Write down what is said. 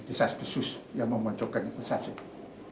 desas desus yang memoncokkan kusat kusut ini